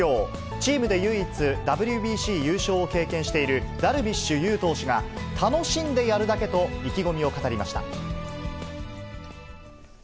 チームで唯一、ＷＢＣ優勝を経験しているダルビッシュ有投手が、楽しんでやるだけと意気込みを語りました。